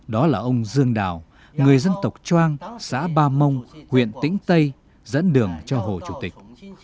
đó là ông dương đào người dân tộc trang xã ba mông huyện tĩnh tây dẫn đường cho hồ chủ tịch